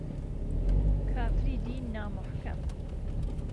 کافری دین نا موحکەم